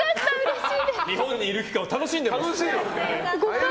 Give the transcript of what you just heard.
日本にいる期間を楽しんでます。